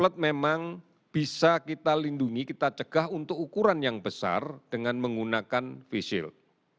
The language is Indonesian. alat memang bisa kita lindungi kita cegah untuk ukuran yang besar dengan menggunakan face shield